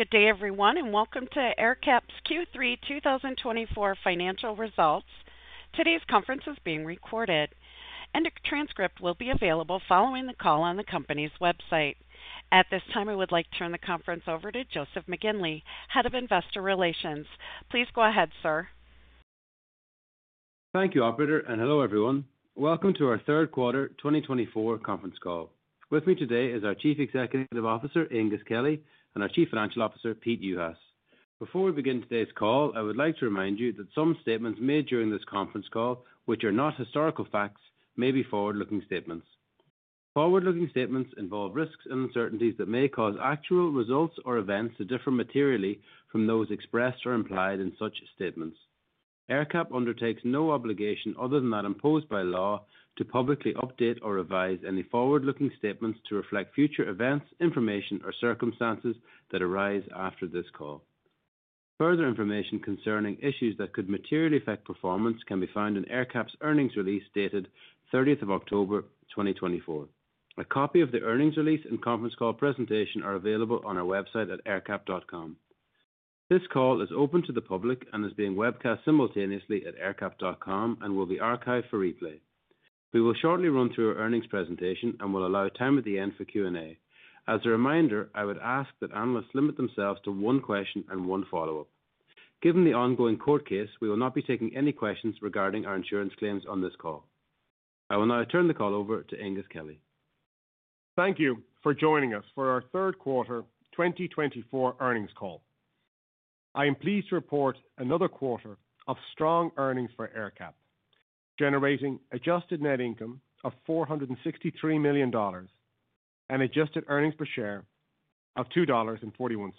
Good day, everyone, and welcome to AerCap's Q3 2024 financial results. Today's conference is being recorded, and a transcript will be available following the call on the company's website. At this time, I would like to turn the conference over to Joseph McGinley, Head of Investor Relations. Please go ahead, sir. Thank you, Operator, and hello, everyone. Welcome to our third quarter 2024 conference call. With me today is our Chief Executive Officer, Aengus Kelly, and our Chief Financial Officer, Pete Juhas. Before we begin today's call, I would like to remind you that some statements made during this conference call, which are not historical facts, may be forward-looking statements. Forward-looking statements involve risks and uncertainties that may cause actual results or events to differ materially from those expressed or implied in such statements. AerCap undertakes no obligation other than that imposed by law to publicly update or revise any forward-looking statements to reflect future events, information, or circumstances that arise after this call. Further information concerning issues that could materially affect performance can be found in AerCap's earnings release dated 30 October 2024. A copy of the earnings release and conference call presentation are available on our website at aercap.com. This call is open to the public and is being webcast simultaneously at AerCap.com and will be archived for replay. We will shortly run through our earnings presentation and will allow time at the end for Q&A. As a reminder, I would ask that analysts limit themselves to one question and one follow-up. Given the ongoing court case, we will not be taking any questions regarding our insurance claims on this call. I will now turn the call over to Aengus Kelly. Thank you for joining us for our third quarter 2024 earnings call. I am pleased to report another quarter of strong earnings for AerCap, generating adjusted net income of $463 million and adjusted earnings per share of $2.41.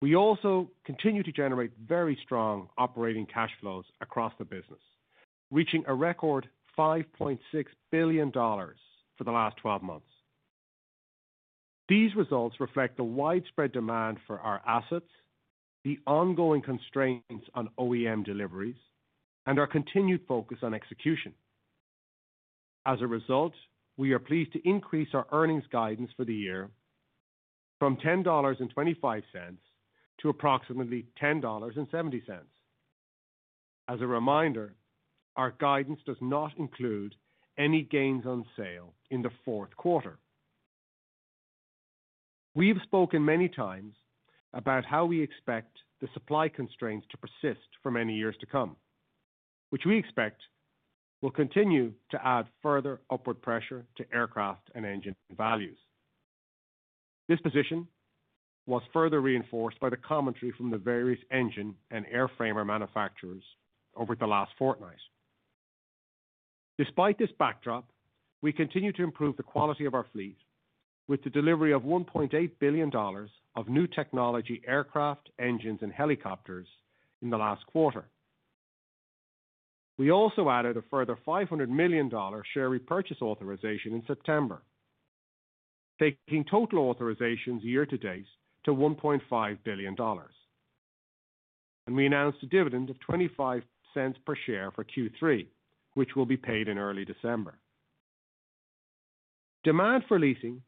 We also continue to generate very strong operating cash flows across the business, reaching a record $5.6 billion for the last 12 months. These results reflect the widespread demand for our assets, the ongoing constraints on OEM deliveries, and our continued focus on execution. As a result, we are pleased to increase our earnings guidance for the year from $10.25 to approximately $10.70. As a reminder, our guidance does not include any gains on sale in the fourth quarter. We have spoken many times about how we expect the supply constraints to persist for many years to come, which we expect will continue to add further upward pressure to aircraft and engine values. This position was further reinforced by the commentary from the various engine and airframe manufacturers over the last fortnight. Despite this backdrop, we continue to improve the quality of our fleet with the delivery of $1.8 billion of new technology aircraft, engines, and helicopters in the last quarter. We also added a further $500 million share repurchase authorization in September, taking total authorizations year to date to $1.5 billion. And we announced a dividend of $0.25 per share for Q3, which will be paid in early December. Demand for leasing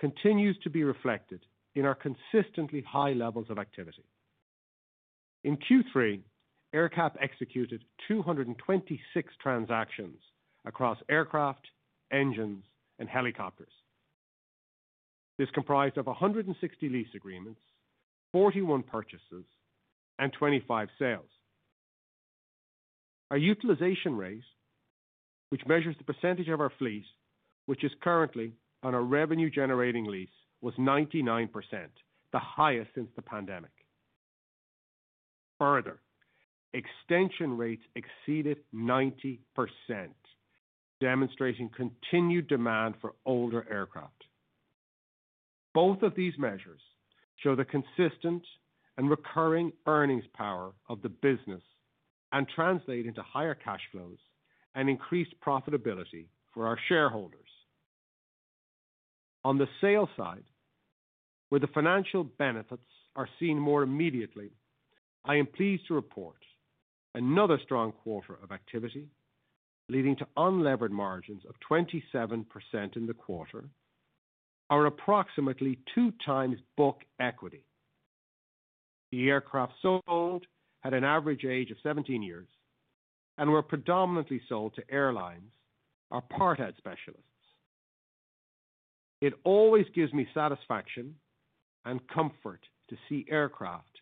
continues to be reflected in our consistently high levels of activity. In Q3, AerCap executed 226 transactions across aircraft, engines, and helicopters. This comprised of 160 lease agreements, 41 purchases, and 25 sales. Our utilization rate, which measures the percentage of our fleet, which is currently on a revenue-generating lease, was 99%, the highest since the pandemic. Further, extension rates exceeded 90%, demonstrating continued demand for older aircraft. Both of these measures show the consistent and recurring earnings power of the business and translate into higher cash flows and increased profitability for our shareholders. On the sale side, where the financial benefits are seen more immediately, I am pleased to report another strong quarter of activity leading to unlevered margins of 27% in the quarter, or approximately two times book equity. The aircraft sold had an average age of 17 years and were predominantly sold to airlines or part-out specialists. It always gives me satisfaction and comfort to see aircraft,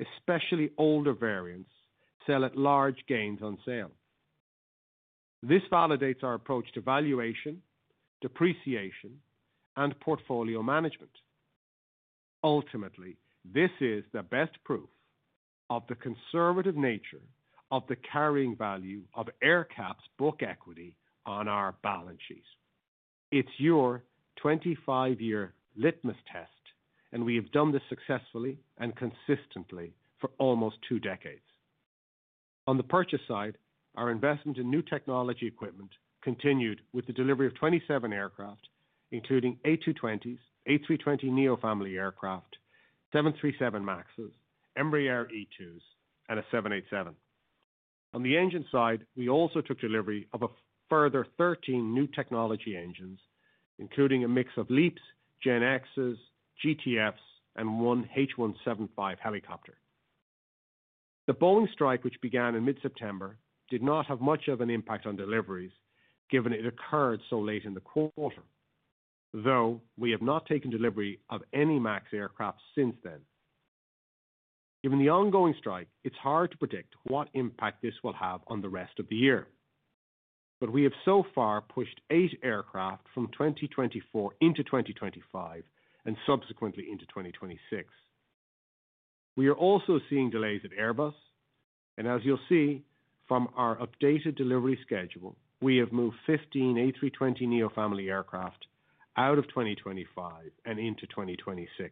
especially older variants, sell at large gains on sale. This validates our approach to valuation, depreciation, and portfolio management. Ultimately, this is the best proof of the conservative nature of the carrying value of AerCap's book equity on our balance sheet. It's your 25-year litmus test, and we have done this successfully and consistently for almost two decades. On the purchase side, our investment in new technology equipment continued with the delivery of 27 aircraft, including A220s, A320neo family aircraft, 737 MAXes, Embraer E2s, and a 787. On the engine side, we also took delivery of a further 13 new technology engines, including a mix of LEAPs, GEnxs, GTFs, and one H175 helicopter. The Boeing strike, which began in mid-September, did not have much of an impact on deliveries, given it occurred so late in the quarter, though we have not taken delivery of any MAX aircraft since then. Given the ongoing strike, it's hard to predict what impact this will have on the rest of the year, but we have so far pushed eight aircraft from 2024 into 2025 and subsequently into 2026. We are also seeing delays at Airbus, and as you'll see from our updated delivery schedule, we have moved 15 A320neo family aircraft out of 2025 and into 2026.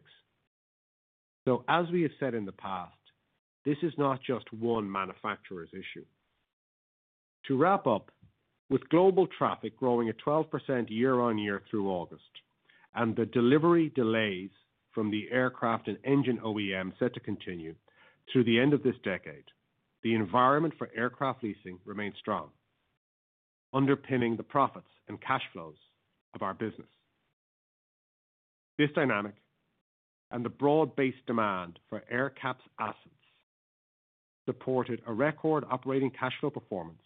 So, as we have said in the past, this is not just one manufacturer's issue. To wrap up, with global traffic growing at 12% year-on-year through August and the delivery delays from the aircraft and engine OEM set to continue through the end of this decade, the environment for aircraft leasing remains strong, underpinning the profits and cash flows of our business. This dynamic and the broad-based demand for AerCap's assets supported a record operating cash flow performance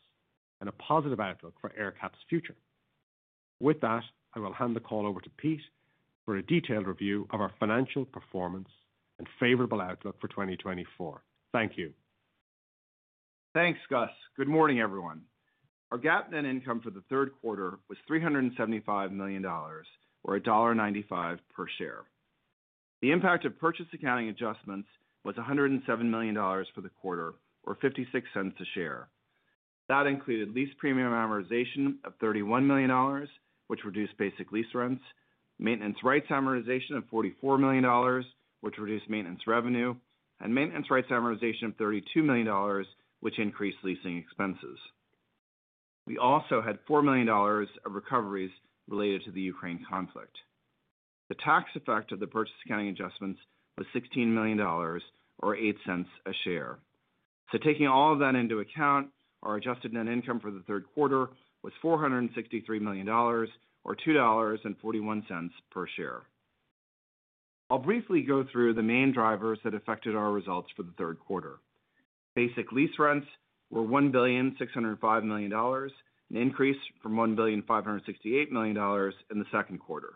and a positive outlook for AerCap's future. With that, I will hand the call over to Pete for a detailed review of our financial performance and favorable outlook for 2024. Thank you. Thanks, Guys. Good morning, everyone. Our GAAP net income for the third quarter was $375 million, or $1.95 per share. The impact of purchase accounting adjustments was $107 million for the quarter, or $0.56 a share. That included lease premium amortization of $31 million, which reduced basic lease rents, maintenance rights amortization of $44 million, which reduced maintenance revenue, and maintenance rights amortization of $32 million, which increased leasing expenses. We also had $4 million of recoveries related to the Ukraine conflict. The tax effect of the purchase accounting adjustments was $16 million, or $0.08 a share. So, taking all of that into account, our adjusted net income for the third quarter was $463 million, or $2.41 per share. I'll briefly go through the main drivers that affected our results for the third quarter. Basic lease rents were $1,605 million, an increase from $1,568 million in the second quarter.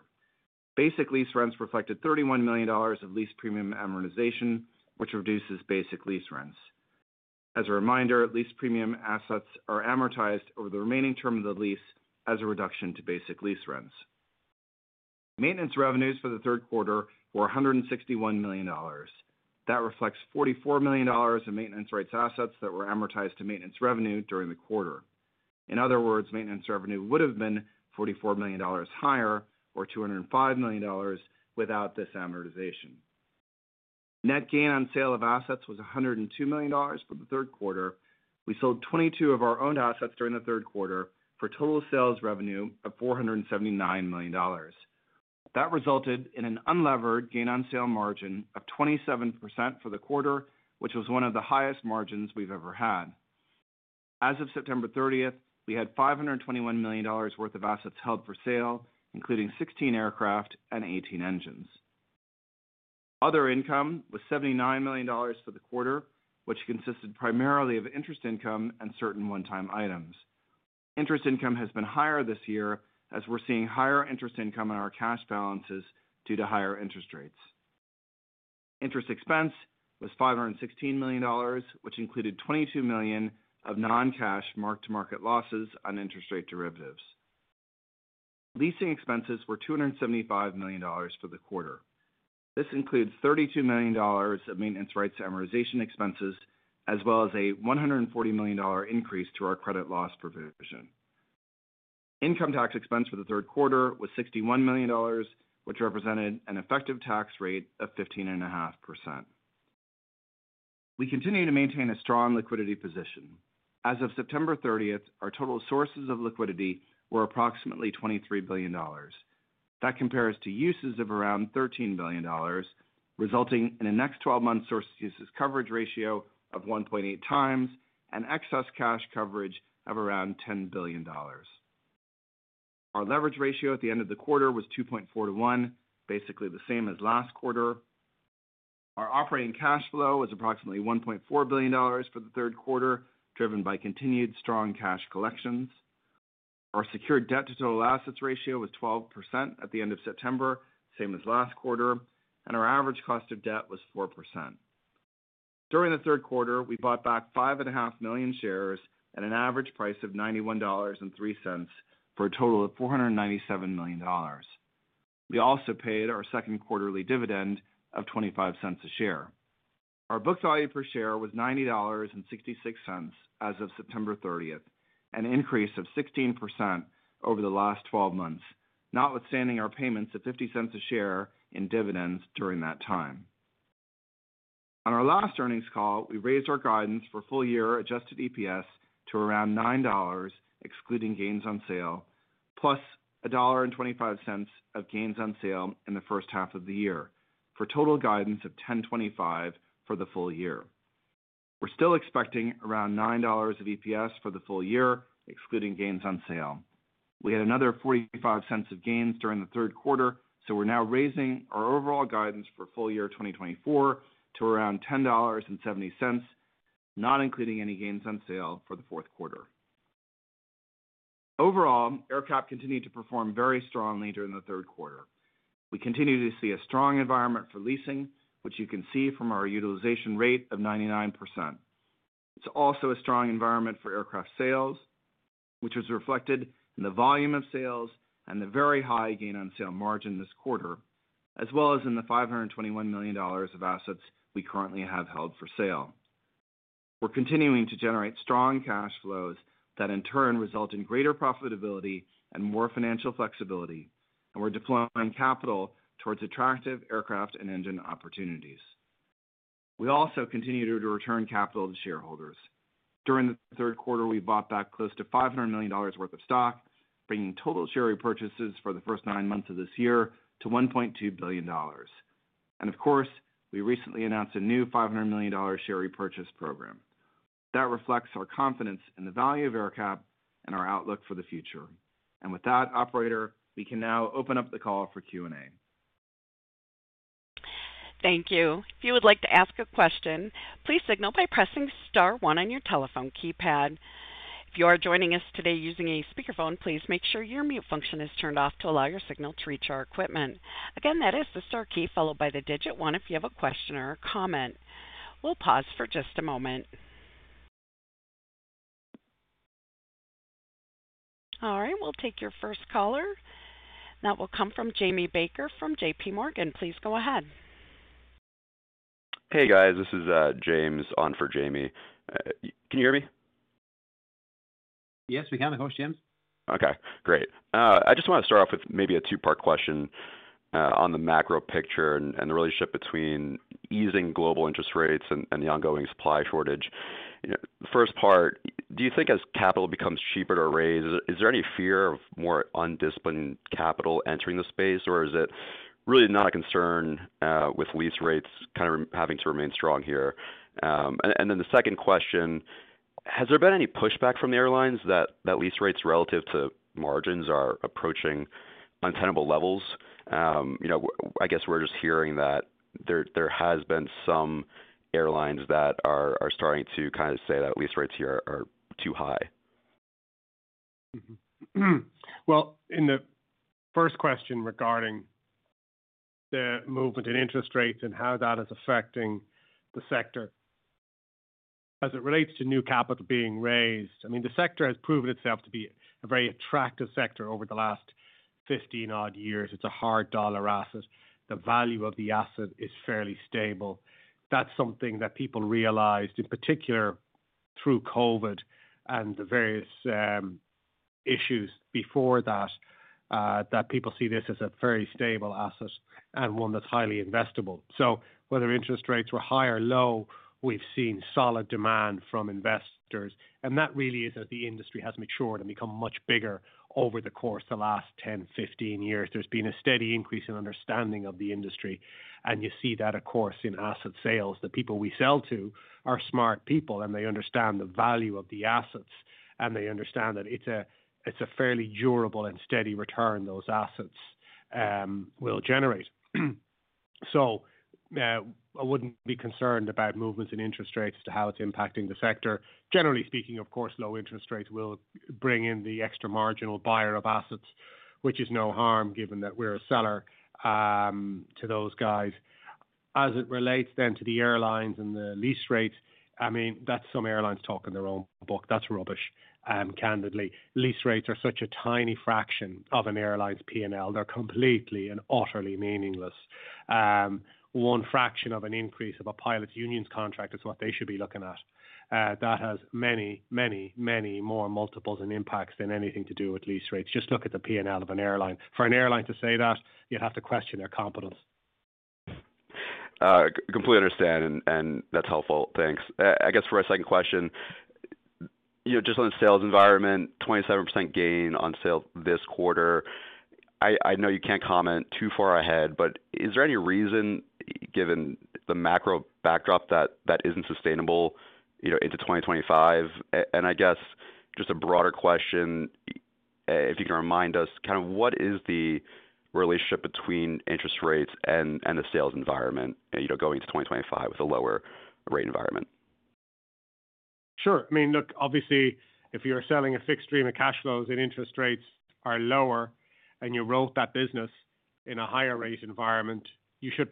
Basic lease rents reflected $31 million of lease premium amortization, which reduces basic lease rents. As a reminder, lease premium assets are amortized over the remaining term of the lease as a reduction to basic lease rents. Maintenance revenues for the third quarter were $161 million. That reflects $44 million of maintenance rights assets that were amortized to maintenance revenue during the quarter. In other words, maintenance revenue would have been $44 million higher, or $205 million, without this amortization. Net gain on sale of assets was $102 million for the third quarter. We sold 22 of our owned assets during the third quarter for total sales revenue of $479 million. That resulted in an unlevered gain on sale margin of 27% for the quarter, which was one of the highest margins we've ever had. As of September 30, we had $521 million worth of assets held for sale, including 16 aircraft and 18 engines. Other income was $79 million for the quarter, which consisted primarily of interest income and certain one-time items. Interest income has been higher this year, as we're seeing higher interest income on our cash balances due to higher interest rates. Interest expense was $516 million, which included $22 million of non-cash mark-to-market losses on interest rate derivatives. Leasing expenses were $275 million for the quarter. This includes $32 million of maintenance rights amortization expenses, as well as a $140 million increase to our credit loss provision. Income tax expense for the third quarter was $61 million, which represented an effective tax rate of 15.5%. We continue to maintain a strong liquidity position. As of September 30, our total sources of liquidity were approximately $23 billion. That compares to uses of around $13 billion, resulting in a next 12-month source-to-uses coverage ratio of 1.8 times and excess cash coverage of around $10 billion. Our leverage ratio at the end of the quarter was 2.4 to 1, basically the same as last quarter. Our operating cash flow was approximately $1.4 billion for the third quarter, driven by continued strong cash collections. Our secured debt-to-total assets ratio was 12% at the end of September, same as last quarter, and our average cost of debt was 4%. During the third quarter, we bought back 5.5 million shares at an average price of $91.03 for a total of $497 million. We also paid our second quarterly dividend of $0.25 a share. Our book value per share was $90.66 as of September 30, an increase of 16% over the last 12 months, notwithstanding our payments of $0.50 a share in dividends during that time. On our last earnings call, we raised our guidance for full-year adjusted EPS to around $9, excluding gains on sale, plus $1.25 of gains on sale in the first half of the year, for a total guidance of $10.25 for the full year. We're still expecting around $9 of EPS for the full year, excluding gains on sale. We had another $0.45 of gains during the third quarter, so we're now raising our overall guidance for full-year 2024 to around $10.70, not including any gains on sale for the fourth quarter. Overall, AerCap continued to perform very strongly during the third quarter. We continue to see a strong environment for leasing, which you can see from our utilization rate of 99%. It's also a strong environment for aircraft sales, which was reflected in the volume of sales and the very high gain on sale margin this quarter, as well as in the $521 million of assets we currently have held for sale. We're continuing to generate strong cash flows that, in turn, result in greater profitability and more financial flexibility, and we're deploying capital towards attractive aircraft and engine opportunities. We also continue to return capital to shareholders. During the third quarter, we bought back close to $500 million worth of stock, bringing total share repurchases for the first nine months of this year to $1.2 billion. And of course, we recently announced a new $500 million share repurchase program. That reflects our confidence in the value of AerCap and our outlook for the future. And with that, Operator, we can now open up the call for Q&A. Thank you. If you would like to ask a question, please signal by pressing *1 on your telephone keypad. If you are joining us today using a speakerphone, please make sure your mute function is turned off to allow your signal to reach our equipment. Again, that is the star key followed by the digit one if you have a question or a comment. We'll pause for just a moment. All right, we'll take your first caller. That will come from Jamie Baker from JPMorgan. Please go ahead. Hey, guys. This is James, on for Jamie. Can you hear me? Yes, we can, of course, James. Okay, great. I just want to start off with maybe a two-part question on the macro picture and the relationship between easing global interest rates and the ongoing supply shortage. First part, do you think as capital becomes cheaper to raise, is there any fear of more undisciplined capital entering the space, or is it really not a concern with lease rates kind of having to remain strong here? And then the second question, has there been any pushback from the airlines that lease rates relative to margins are approaching untenable levels? I guess we're just hearing that there has been some airlines that are starting to kind of say that lease rates here are too high. In the first question regarding the movement in interest rates and how that is affecting the sector as it relates to new capital being raised, I mean, the sector has proven itself to be a very attractive sector over the last 15-odd years. It's a hard dollar asset. The value of the asset is fairly stable. That's something that people realized, in particular through COVID and the various issues before that, that people see this as a very stable asset and one that's highly investable. So whether interest rates were high or low, we've seen solid demand from investors. And that really is as the industry has matured and become much bigger over the course of the last 10, 15 years. There's been a steady increase in understanding of the industry. And you see that, of course, in asset sales. The people we sell to are smart people, and they understand the value of the assets, and they understand that it's a fairly durable and steady return those assets will generate. So I wouldn't be concerned about movements in interest rates as to how it's impacting the sector. Generally speaking, of course, low interest rates will bring in the extra marginal buyer of assets, which is no harm, given that we're a seller to those guys. As it relates then to the airlines and the lease rates, I mean, that's some airlines talking their own book. That's rubbish, candidly. Lease rates are such a tiny fraction of an airline's P&L. They're completely and utterly meaningless. One fraction of an increase of a pilot's union's contract is what they should be looking at. That has many, many, many more multiples and impacts than anything to do with lease rates. Just look at the P&L of an airline. For an airline to say that, you'd have to question their competence. completely understand, and that's helpful. Thanks. I guess for a second question, just on the sales environment, 27% gain on sale this quarter. I know you can't comment too far ahead, but is there any reason, given the macro backdrop that isn't sustainable into 2025? And I guess just a broader question, if you can remind us, kind of what is the relationship between interest rates and the sales environment going into 2025 with a lower rate environment? Sure. I mean, look, obviously, if you're selling a fixed stream of cash flows and interest rates are lower and you roll that business in a higher rate environment, you should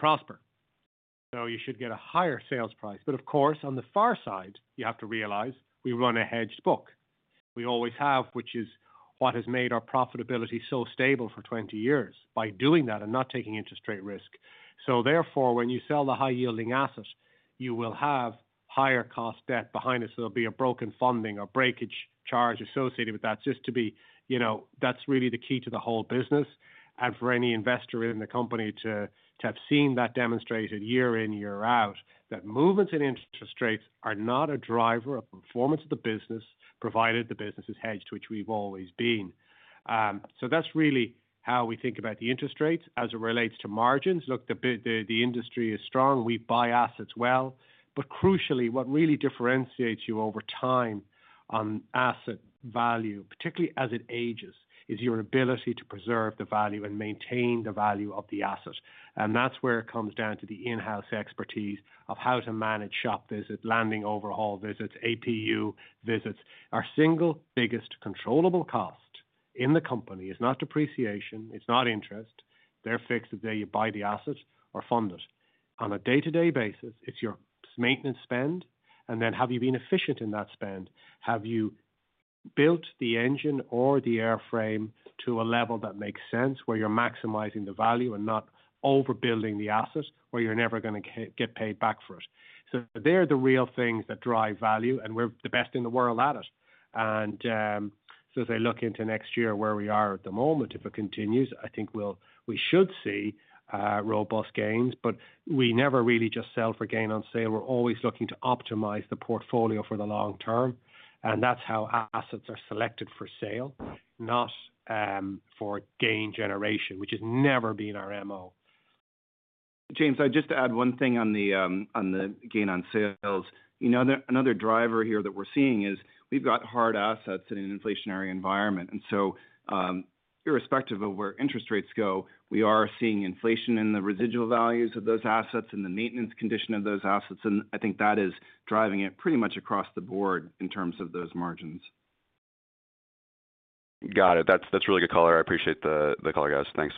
prosper. So you should get a higher sales price. But of course, on the far side, you have to realize we run a hedged book. We always have, which is what has made our profitability so stable for 20 years by doing that and not taking interest rate risk. So therefore, when you sell the high-yielding asset, you will have higher cost debt behind it. So there'll be a broken funding or breakage charge associated with that. Just to be, that's really the key to the whole business. And for any investor in the company to have seen that demonstrated year in, year out, that movements in interest rates are not a driver of performance of the business, provided the business is hedged, which we've always been. So that's really how we think about the interest rates as it relates to margins. Look, the industry is strong. We buy assets well. But crucially, what really differentiates you over time on asset value, particularly as it ages, is your ability to preserve the value and maintain the value of the asset. And that's where it comes down to the in-house expertise of how to manage shop visits, landing gear overhaul visits, APU visits. Our single biggest controllable cost in the company is not depreciation. It's not interest. They're fixed if they buy the asset or fund it. On a day-to-day basis, it's your maintenance spend. And then have you been efficient in that spend? Have you built the engine or the airframe to a level that makes sense where you're maximizing the value and not overbuilding the asset where you're never going to get paid back for it? So they're the real things that drive value, and we're the best in the world at it. And so as I look into next year where we are at the moment, if it continues, I think we should see robust gains. But we never really just sell for gain on sale. We're always looking to optimize the portfolio for the long term. And that's how assets are selected for sale, not for gain generation, which has never been our MO. James, I'd just add one thing on the gain on sales. Another driver here that we're seeing is we've got hard assets in an inflationary environment. And so irrespective of where interest rates go, we are seeing inflation in the residual values of those assets and the maintenance condition of those assets. And I think that is driving it pretty much across the board in terms of those margins. Got it. That's really good color. I appreciate the color, guys. Thanks.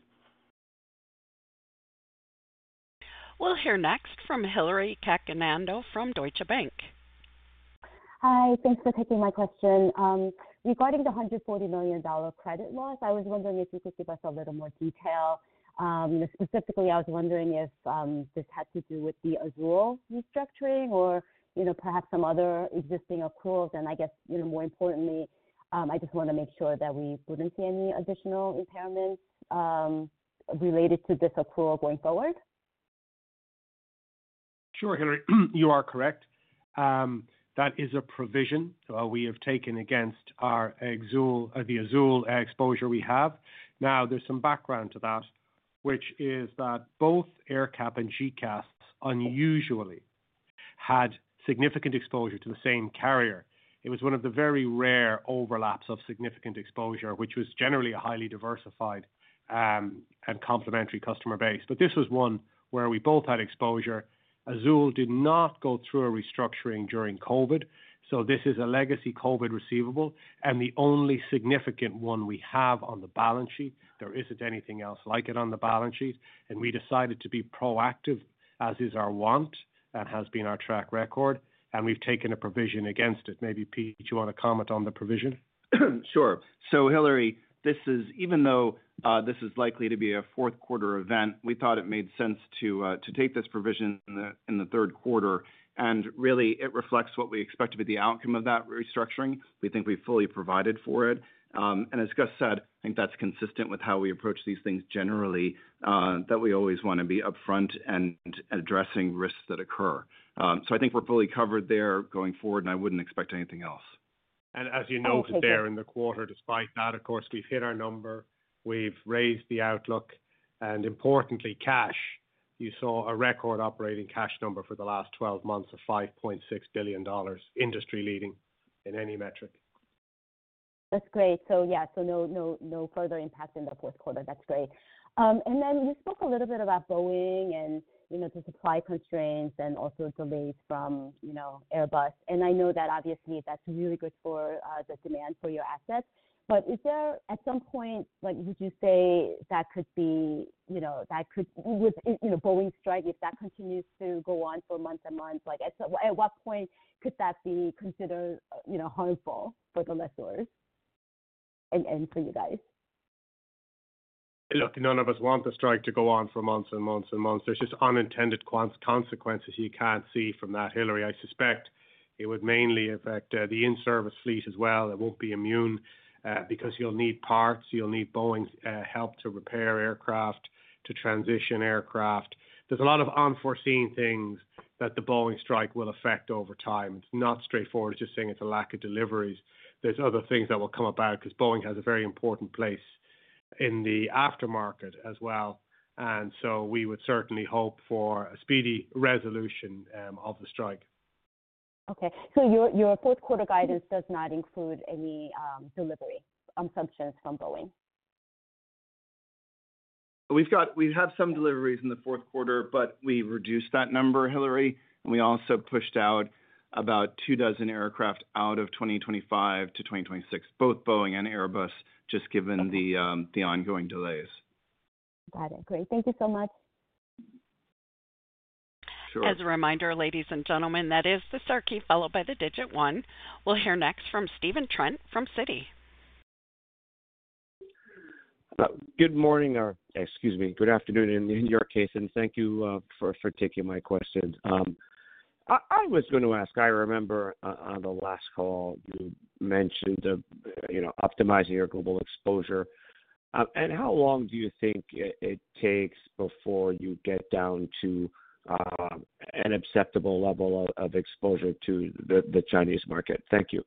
We'll hear next from Hillary Cacanando from Deutsche Bank. Hi, thanks for taking my question. Regarding the $140 million credit loss, I was wondering if you could give us a little more detail? Specifically, I was wondering if this had to do with the Azul restructuring or perhaps some other existing accruals? And I guess, more importantly, I just want to make sure that we wouldn't see any additional impairments related to this accrual going forward. Sure, Hilary, you are correct. That is a provision we have taken against the Azul exposure we have. Now, there's some background to that, which is that both AerCap and GECAS unusually had significant exposure to the same carrier. It was one of the very rare overlaps of significant exposure, which was generally a highly diversified and complementary customer base. But this was one where we both had exposure. Azul did not go through a restructuring during COVID. So this is a legacy COVID receivable and the only significant one we have on the balance sheet. There isn't anything else like it on the balance sheet. And we decided to be proactive, as is our wont and has been our track record. And we've taken a provision against it. Maybe, Pete, you want to comment on the provision? Sure. So Hilary, even though this is likely to be a fourth-quarter event, we thought it made sense to take this provision in the third quarter. And really, it reflects what we expected with the outcome of that restructuring. We think we fully provided for it. And as Gus said, I think that's consistent with how we approach these things generally, that we always want to be upfront and addressing risks that occur. So I think we're fully covered there going forward, and I wouldn't expect anything else. And as you noted there in the quarter, despite that, of course, we've hit our number. We've raised the outlook. And importantly, cash. You saw a record operating cash number for the last 12 months of $5.6 billion, industry-leading in any metric. That's great. So yeah, so no further impact in the fourth quarter. That's great. And then you spoke a little bit about Boeing and the supply constraints and also delays from Airbus. And I know that, obviously, that's really good for the demand for your assets. But is there at some point, would you say that could be that could Boeing strike if that continues to go on for months and months? At what point could that be considered harmful for the lessors and for you guys? Look, none of us want the strike to go on for months and months and months. There's just unintended consequences you can't see from that. Hilary, I suspect it would mainly affect the in-service fleet as well. It won't be immune because you'll need parts. You'll need Boeing's help to repair aircraft, to transition aircraft. There's a lot of unforeseen things that the Boeing strike will affect over time. It's not straightforward. It's just saying it's a lack of deliveries. There's other things that will come about because Boeing has a very important place in the aftermarket as well. And so we would certainly hope for a speedy resolution of the strike. Okay. So your fourth-quarter guidance does not include any delivery assumptions from Boeing? We have some deliveries in the fourth quarter, but we reduced that number, Hilary. And we also pushed out about two dozen aircraft out of 2025 to 2026, both Boeing and Airbus, just given the ongoing delays. Got it. Great. Thank you so much. As a reminder, ladies and gentlemen, that is the star key followed by the digit one. We'll hear next from Stephen Trent from Citi. Good morning or excuse me, good afternoon in your case, and thank you for taking my question. I was going to ask, I remember on the last call, you mentioned optimizing your global exposure, and how long do you think it takes before you get down to an acceptable level of exposure to the Chinese market? Thank you.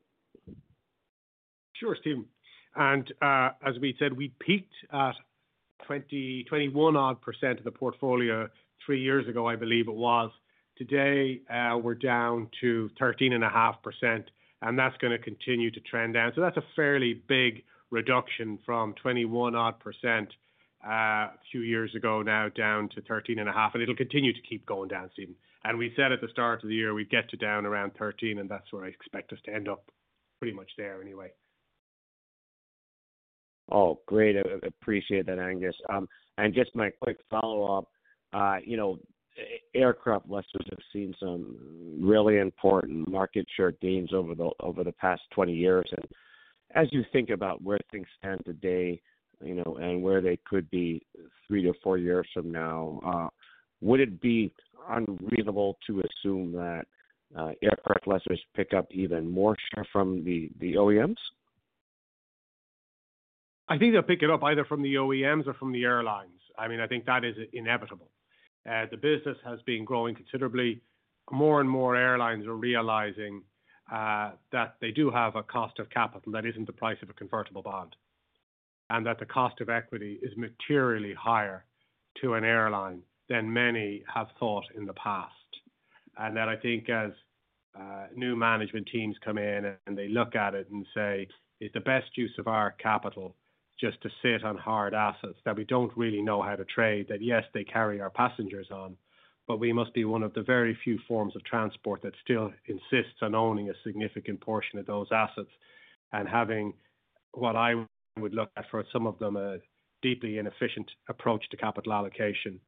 Sure, Steven. And as we said, we peaked at 21-odd% of the portfolio three years ago, I believe it was. Today, we're down to 13.5%, and that's going to continue to trend down. So that's a fairly big reduction from 21-odd% a few years ago now down to 13.5%. And it'll continue to keep going down, Steven. And we said at the start of the year, we'd get to down around 13, and that's where I expect us to end up, pretty much there anyway. Oh, great. Appreciate that, Aengus. And just my quick follow-up. Aircraft lessors have seen some really important market share gains over the past 20 years. And as you think about where things stand today and where they could be three to four years from now, would it be unreasonable to assume that aircraft lessors pick up even more share from the OEMs? I think they'll pick it up either from the OEMs or from the airlines. I mean, I think that is inevitable. The business has been growing considerably. More and more airlines are realizing that they do have a cost of capital that isn't the price of a convertible bond and that the cost of equity is materially higher to an airline than many have thought in the past. That I think as new management teams come in and they look at it and say, "Is the best use of our capital just to sit on hard assets that we don't really know how to trade?" That, yes, they carry our passengers on, but we must be one of the very few forms of transport that still insists on owning a significant portion of those assets and having what I would look at for some of them a deeply inefficient approach to capital allocation.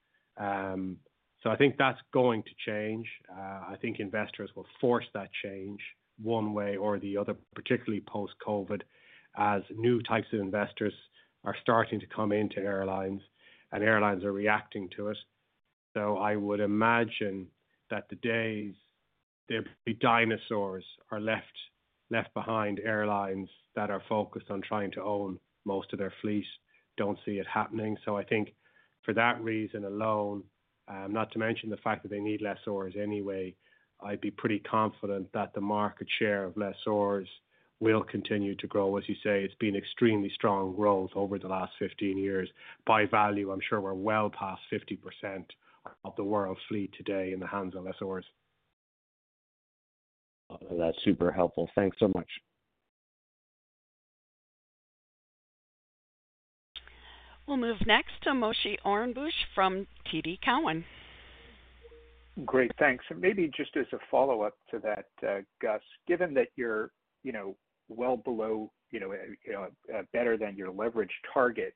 I think that's going to change. I think investors will force that change one way or the other, particularly post-COVID, as new types of investors are starting to come into airlines and airlines are reacting to it. I would imagine that the days that the dinosaurs are left behind, airlines that are focused on trying to own most of their fleet don't see it happening. I think for that reason alone, not to mention the fact that they need lessors anyway, I'd be pretty confident that the market share of lessors will continue to grow. As you say, it's been extremely strong growth over the last 15 years. By value, I'm sure we're well past 50% of the world fleet today in the hands of lessors. That's super helpful. Thanks so much. We'll move next to Moshe Orenbuch from TD Cowen. Great. Thanks. And maybe just as a follow-up to that, Gus, given that you're well below, better than your leverage target,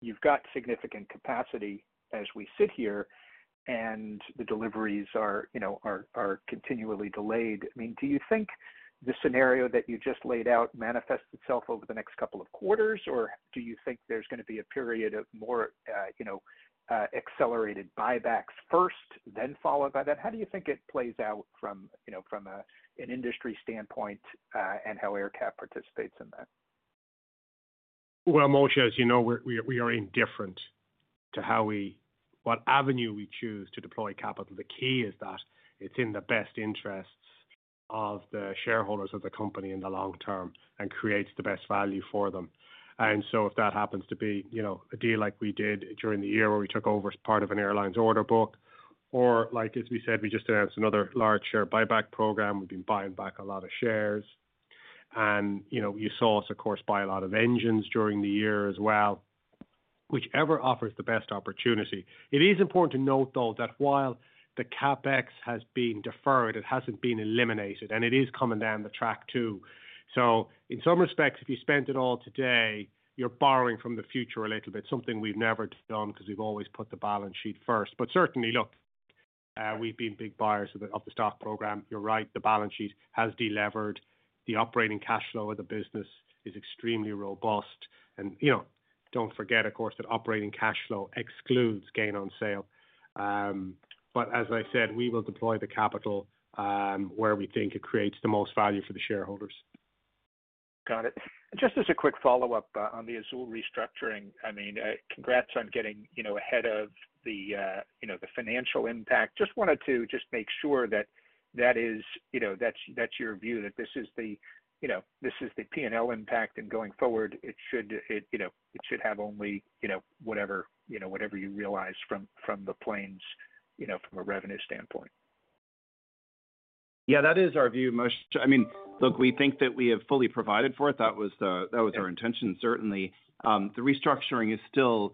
you've got significant capacity as we sit here and the deliveries are continually delayed. I mean, do you think the scenario that you just laid out manifests itself over the next couple of quarters, or do you think there's going to be a period of more accelerated buybacks first, then followed by that? How do you think it plays out from an industry standpoint and how AerCap participates in that? Moshe, as you know, we are indifferent to what avenue we choose to deploy capital. The key is that it's in the best interests of the shareholders of the company in the long term and creates the best value for them. And so if that happens to be a deal like we did during the year where we took over part of an airline's order book, or like as we said, we just announced another large share buyback program. We've been buying back a lot of shares. And you saw us, of course, buy a lot of engines during the year as well, whichever offers the best opportunity. It is important to note, though, that while the CapEx has been deferred, it hasn't been eliminated, and it is coming down the track too. In some respects, if you spent it all today, you're borrowing from the future a little bit, something we've never done because we've always put the balance sheet first. But certainly, look, we've been big buyers of the stock program. You're right. The balance sheet has delivered. The operating cash flow of the business is extremely robust. And don't forget, of course, that operating cash flow excludes gain on sale. But as I said, we will deploy the capital where we think it creates the most value for the shareholders. Got it. Just as a quick follow-up on the Azul restructuring, I mean, congrats on getting ahead of the financial impact. Just wanted to just make sure that that is your view, that this is the P&L impact, and going forward, it should have only whatever you realize from the planes from a revenue standpoint. Yeah, that is our view, Moshe. I mean, look, we think that we have fully provided for it. That was our intention, certainly. The restructuring is still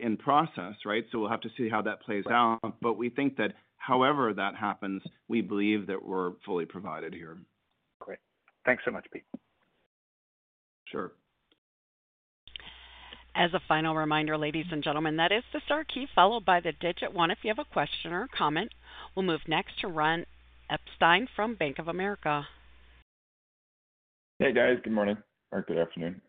in process, right? So we'll have to see how that plays out. But we think that however that happens, we believe that we're fully provided here. Great. Thanks so much, Pete. Sure. As a final reminder, ladies and gentlemen, that is the * key followed by the digit 1. If you have a question or a comment, we'll move next to Ronald Epstein of Bank of America. Hey, guys. Good morning or good afternoon.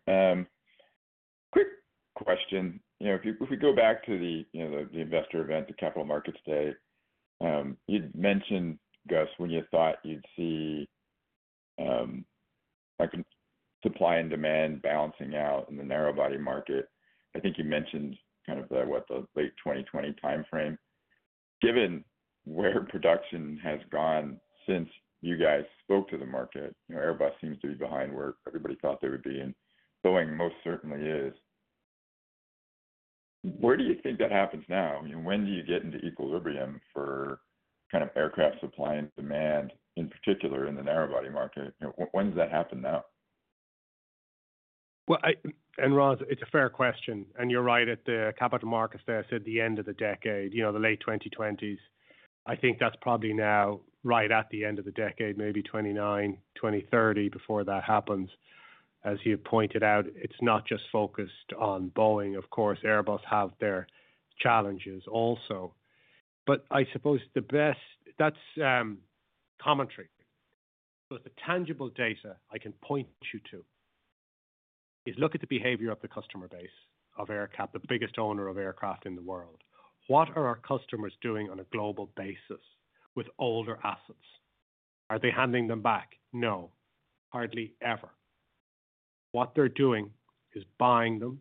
Quick question. If we go back to the investor event, the capital markets day, you'd mentioned, Gus, when you thought you'd see supply and demand balancing out in the narrow-body market. I think you mentioned kind of what the late 2020 timeframe. Given where production has gone since you guys spoke to the market, Airbus seems to be behind where everybody thought they would be, and Boeing most certainly is. Where do you think that happens now? When do you get into equilibrium for kind of aircraft supply and demand, in particular in the narrow-body market? When does that happen now? And Ron, it's a fair question. And you're right at the capital markets there said the end of the decade, the late 2020s. I think that's probably now right at the end of the decade, maybe 2029, 2030, 2031 before that happens. As you pointed out, it's not just focused on Boeing. Of course, Airbus has their challenges also. But I suppose the best commentary, the tangible data I can point you to is look at the behavior of the customer base of AerCap, the biggest owner of aircraft in the world. What are our customers doing on a global basis with older assets? Are they handing them back? No, hardly ever. What they're doing is buying them.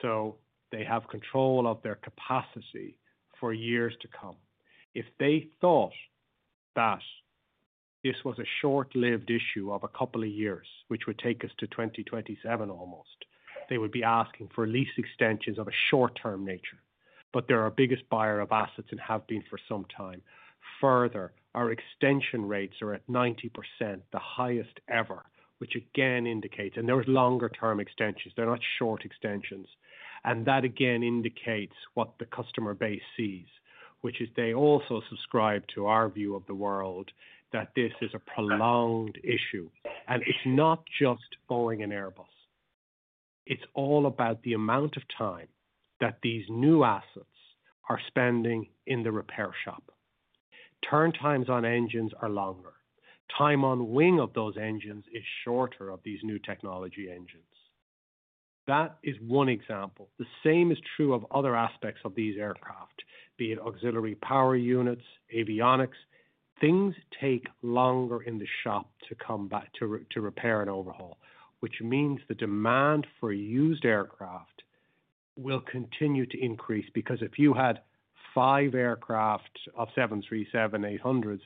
So they have control of their capacity for years to come. If they thought that this was a short-lived issue of a couple of years, which would take us to 2027 almost, they would be asking for lease extensions of a short-term nature. But they're our biggest buyer of assets and have been for some time. Further, our extension rates are at 90%, the highest ever, which again indicates and there are longer-term extensions. They're not short extensions. And that again indicates what the customer base sees, which is they also subscribe to our view of the world that this is a prolonged issue. And it's not just Boeing and Airbus. It's all about the amount of time that these new assets are spending in the repair shop. Turn times on engines are longer. Time on wing of those engines is shorter of these new technology engines. That is one example. The same is true of other aspects of these aircraft, be it auxiliary power units, avionics. Things take longer in the shop to repair and overhaul, which means the demand for used aircraft will continue to increase because if you had five aircraft of 737-800s,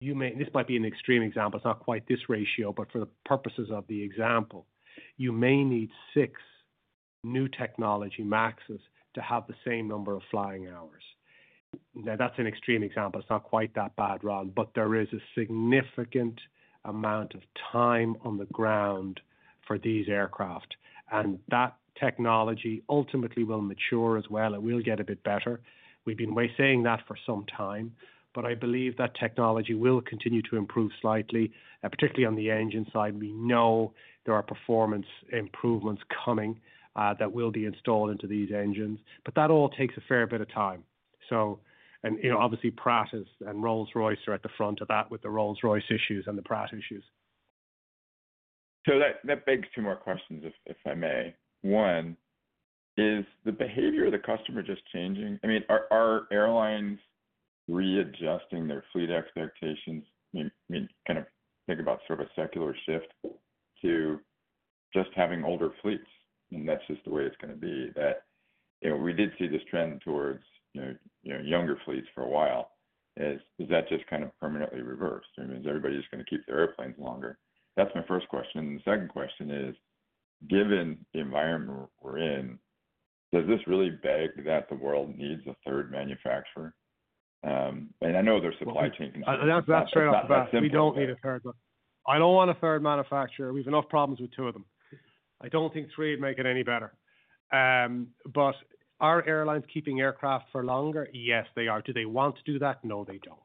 this might be an extreme example. It's not quite this ratio, but for the purposes of the example, you may need six new technology Maxes to have the same number of flying hours. Now, that's an extreme example. It's not quite that bad, Ron, but there is a significant amount of time on the ground for these aircraft, and that technology ultimately will mature as well. It will get a bit better. We've been saying that for some time, but I believe that technology will continue to improve slightly, particularly on the engine side. We know there are performance improvements coming that will be installed into these engines, but that all takes a fair bit of time, and obviously, Pratt and Rolls-Royce are at the front of that with the Rolls-Royce issues and the Pratt issues. So that begs two more questions, if I may. One, is the behavior of the customer just changing? I mean, are airlines readjusting their fleet expectations? I mean, kind of think about sort of a secular shift to just having older fleets, and that's just the way it's going to be. We did see this trend towards younger fleets for a while. Is that just kind of permanently reversed? I mean, is everybody just going to keep their airplanes longer? That's my first question. And the second question is, given the environment we're in, does this really beg that the world needs a third manufacturer? And I know there's supply chain concerns. That's fair. We don't need a third. I don't want a third manufacturer. We've enough problems with two of them. I don't think three would make it any better. But are airlines keeping aircraft for longer? Yes, they are. Do they want to do that? No, they don't.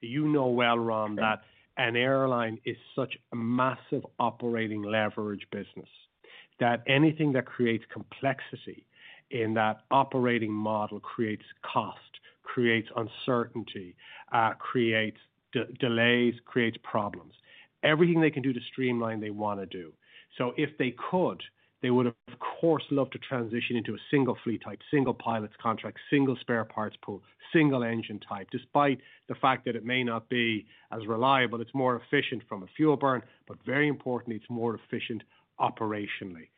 You know well, Ron, that an airline is such a massive operating leverage business that anything that creates complexity in that operating model creates cost, creates uncertainty, creates delays, creates problems. Everything they can do to streamline, they want to do. So if they could, they would, of course, love to transition into a single fleet type, single pilots contract, single spare parts pool, single engine type, despite the fact that it may not be as reliable. It's more efficient from a fuel burn, but very importantly, it's more efficient operationally.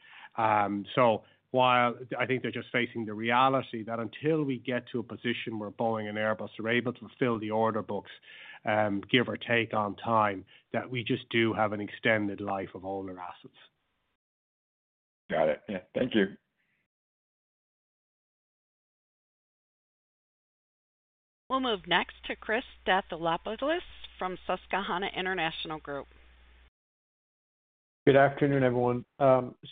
So while I think they're just facing the reality that until we get to a position where Boeing and Airbus are able to fill the order books, give or take on time, that we just do have an extended life of older assets. Got it. Yeah. Thank you. We'll move next to Chris Stathoulopoulos from Susquehanna International Group. Good afternoon, everyone.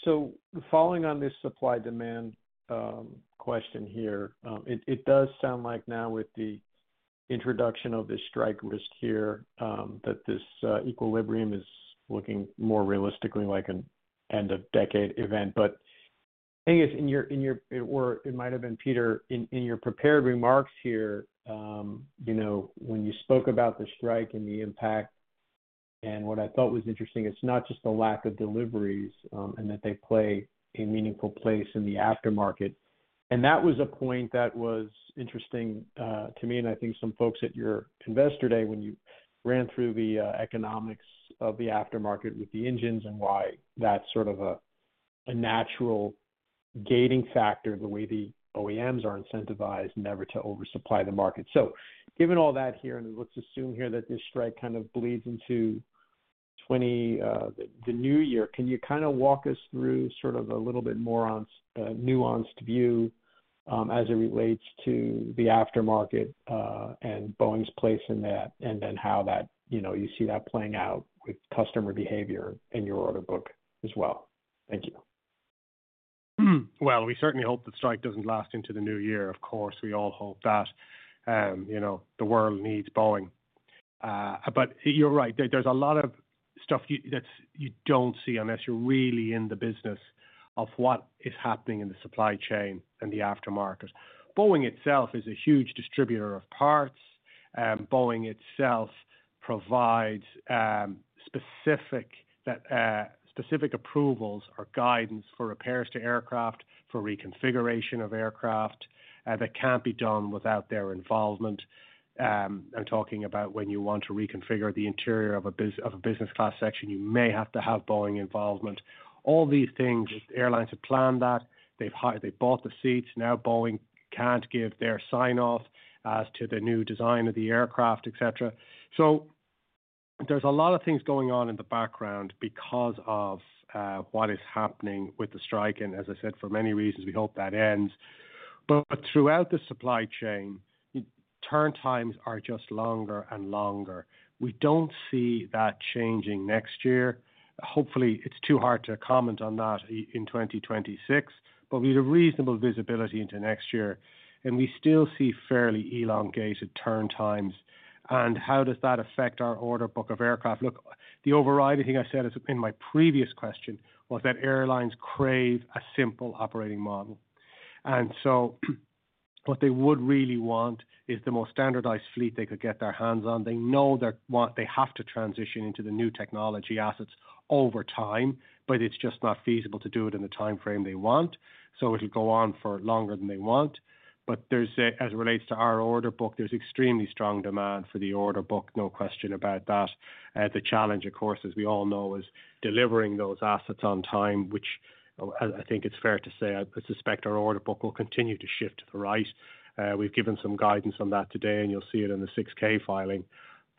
So following on this supply-demand question here, it does sound like now with the introduction of this strike risk here that this equilibrium is looking more realistically like an end-of-decade event. But I think it's in your, it might have been, Peter, in your prepared remarks here, when you spoke about the strike and the impact, and what I thought was interesting, it's not just the lack of deliveries and that they play a meaningful place in the aftermarket, and that was a point that was interesting to me, and I think some folks at your investor day when you ran through the economics of the aftermarket with the engines and why that's sort of a natural gating factor, the way the OEMs are incentivized never to oversupply the market. So given all that here, and let's assume here that this strike kind of bleeds into the new year, can you kind of walk us through sort of a little bit more nuanced view as it relates to the aftermarket and Boeing's place in that, and then how you see that playing out with customer behavior in your order book as well? Thank you. We certainly hope the strike doesn't last into the new year. Of course, we all hope that the world needs Boeing. But you're right. There's a lot of stuff that you don't see unless you're really in the business of what is happening in the supply chain and the aftermarket. Boeing itself is a huge distributor of parts. Boeing itself provides specific approvals or guidance for repairs to aircraft, for reconfiguration of aircraft that can't be done without their involvement. I'm talking about when you want to reconfigure the interior of a business-class section, you may have to have Boeing involvement. All these things, airlines have planned that. They bought the seats. Now Boeing can't give their sign-off as to the new design of the aircraft, etc. So there's a lot of things going on in the background because of what is happening with the strike. And as I said, for many reasons, we hope that ends. But throughout the supply chain, turn times are just longer and longer. We don't see that changing next year. Hopefully, it's too hard to comment on that in 2026, but we have reasonable visibility into next year. And we still see fairly elongated turn times. And how does that affect our order book of aircraft? Look, the overriding thing I said in my previous question was that airlines crave a simple operating model. And so what they would really want is the most standardized fleet they could get their hands on. They know they have to transition into the new technology assets over time, but it's just not feasible to do it in the timeframe they want. So it'll go on for longer than they want. But as it relates to our order book, there's extremely strong demand for the order book, no question about that. The challenge, of course, as we all know, is delivering those assets on time, which I think it's fair to say. I suspect our order book will continue to shift to the right. We've given some guidance on that today, and you'll see it in the 6-K filing.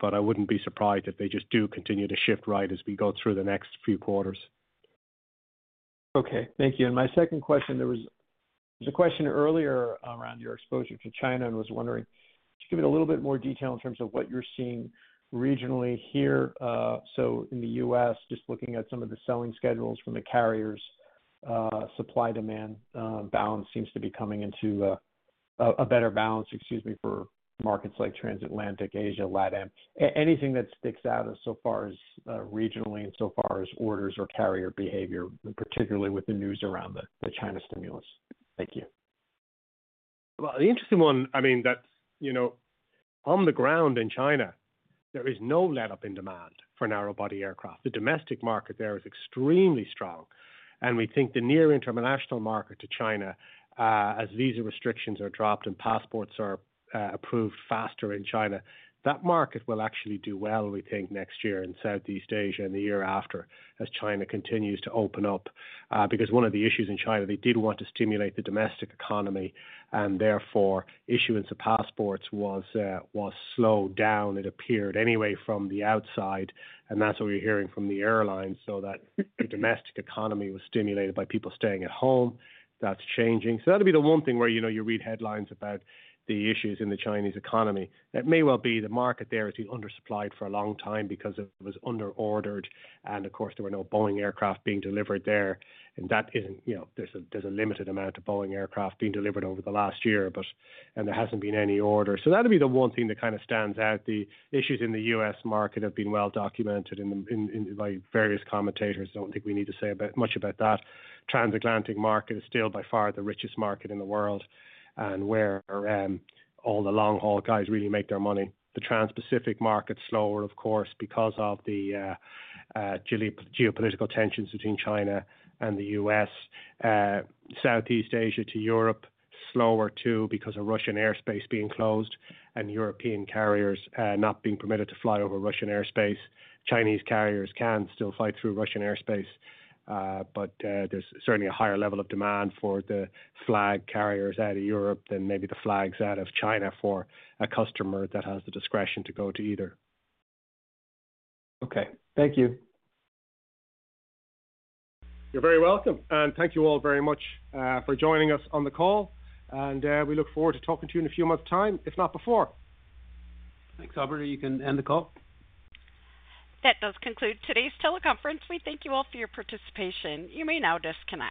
But I wouldn't be surprised if they just do continue to shift right as we go through the next few quarters. Okay. Thank you. And my second question, there was a question earlier around your exposure to China and was wondering, could you give it a little bit more detail in terms of what you're seeing regionally here? So in the U.S., just looking at some of the selling schedules from the carriers, supply-demand balance seems to be coming into a better balance, excuse me, for markets like Transatlantic, Asia, LATAM. Anything that sticks out so far as regionally and so far as orders or carrier behavior, particularly with the news around the China stimulus? Thank you. The interesting one, I mean, on the ground in China, there is no let-up in demand for narrow-body aircraft. The domestic market there is extremely strong. And we think the near-international market to China, as visa restrictions are dropped and passports are approved faster in China, that market will actually do well, we think, next year in Southeast Asia and the year after as China continues to open up. Because one of the issues in China, they did want to stimulate the domestic economy, and therefore issuance of passports was slowed down, it appeared, anyway, from the outside. And that's what we're hearing from the airlines. So that domestic economy was stimulated by people staying at home. That's changing. So that would be the one thing where you read headlines about the issues in the Chinese economy. That may well be the market there is undersupplied for a long time because it was underordered, and of course, there were no Boeing aircraft being delivered there, and there's a limited amount of Boeing aircraft being delivered over the last year, and there hasn't been any order, so that would be the one thing that kind of stands out. The issues in the U.S. market have been well documented by various commentators. I don't think we need to say much about that. Transatlantic market is still by far the richest market in the world and where all the long-haul guys really make their money. The Trans-Pacific market's slower, of course, because of the geopolitical tensions between China and the U.S. Southeast Asia to Europe, slower too because of Russian airspace being closed and European carriers not being permitted to fly over Russian airspace. Chinese carriers can still fight through Russian airspace, but there's certainly a higher level of demand for the flag carriers out of Europe than maybe the flags out of China for a customer that has the discretion to go to either. Okay. Thank you. You're very welcome. And thank you all very much for joining us on the call. And we look forward to talking to you in a few months' time, if not before. Thanks, All. You can end the call. That does conclude today's teleconference. We thank you all for your participation. You may now disconnect.